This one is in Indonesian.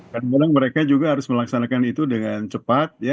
karena mereka juga harus melaksanakan itu dengan cepat ya